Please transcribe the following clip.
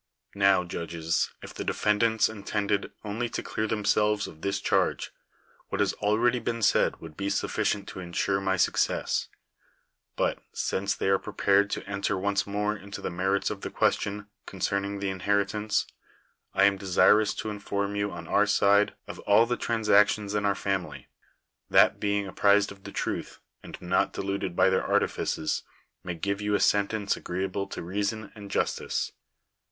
Xow, judges, if the defendants intended only to clear themselves of this charge, what has al ready been said would be sufficient to ensure my success; but, since they are prepared to en ter once more into the merits of the question con cerning the inheritance, I am desirous to inform you on our side of all the transactions in our family; that, being apprised of the truth, and not deluded b}' their artifices, you may give a sentence agreeable to reason and justice.